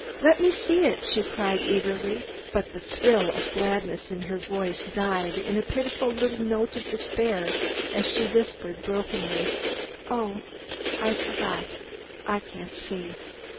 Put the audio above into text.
"Let me see it," she cried, eagerly, but the thrill of gladness in her voice died in a pitiful little note of despair as she whispered, brokenly, "Oh, I forgot! I can't see!"